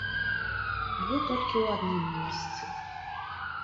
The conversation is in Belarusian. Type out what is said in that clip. Але толькі ў адным месцы.